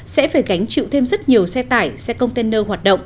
sẽ phải gánh chịu thêm rất nhiều xe tải xe container hoạt động